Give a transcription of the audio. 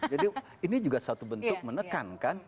jadi ini juga satu bentuk menekan kan